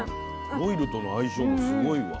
オイルとの相性もすごいわ。